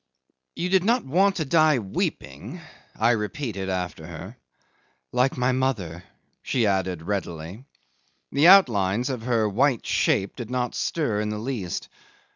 '"You did not want to die weeping?" I repeated after her. "Like my mother," she added readily. The outlines of her white shape did not stir in the least.